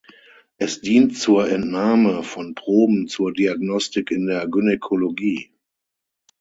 Es dient zur Entnahme von Proben zur Diagnostik in der Gynäkologie.